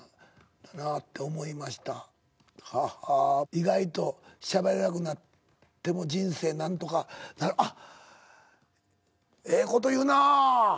「意外としゃべらなくなっても人生何とかなる」ええこと言うな。